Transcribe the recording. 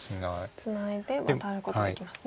ツナいでワタることできますね。